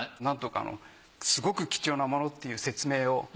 なんとかすごく貴重なものっていう説明を。